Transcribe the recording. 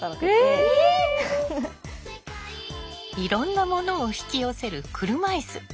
いろんなものを引き寄せる車いす。